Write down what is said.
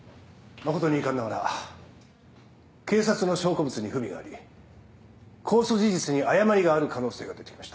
誠に遺憾ながら警察の証拠物に不備があり公訴事実に誤りがある可能性が出てきました。